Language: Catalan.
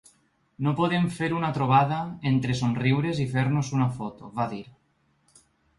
No podem fer una trobada, entre somriures i fer-nos una foto, va dir.